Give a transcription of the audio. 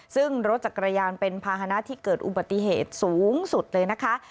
ซึ่งรถจักรยานเป็นภาษณะที่เกิดอุบัติเหตุสูงสุดเลยนะคะ